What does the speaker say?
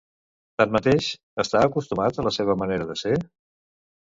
Tanmateix, està acostumat a la seva manera de ser?